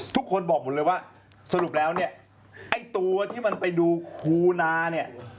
ทุกคนบอกหมดเลยว่าสรุปแล้วเนี่ยไอ้ตัวที่มันไปดูคูนาเนี่ย